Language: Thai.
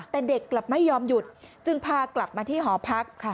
แต่เด็กกลับไม่ยอมหยุดจึงพากลับมาที่หอพัก